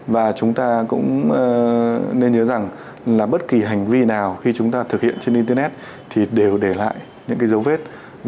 và chúng ta cũng nên nhớ rằng là bất kỳ hành vi nào khi chúng ta thực hiện trên internet thì đều để lại những cái dấu vết